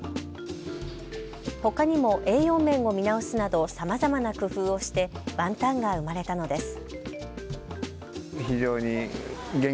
ほかにも栄養面を見直すなど、さまざまな工夫をして、ワンタンが産まれたのです。